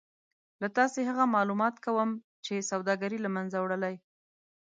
نو تاسې هغه مالومات کوم چې سوداګري له منځه وړلای